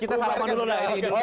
kita salam dulu ya